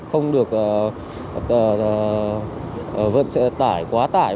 không được vận xe quá tải